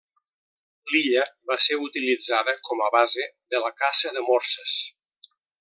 L'illa va ser utilitzada com a base de la caça de morses.